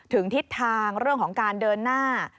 ทิศทางเรื่องของการเดินหน้า